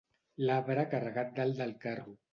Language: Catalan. L'arbre carregat dalt del carro.